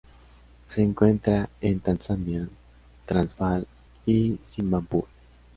Se encuentra en Tanzania, Transvaal y Zimbabue.